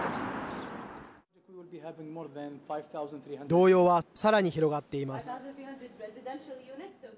動揺はさらに広がっています。